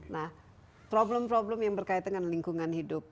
nah problem problem yang berkaitan dengan lingkungan hidup